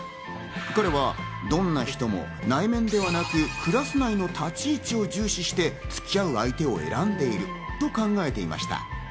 彼はどんな人も内面ではなく、クラス内の立ち位置を重視して付き合う相手を選んでいると考えていました。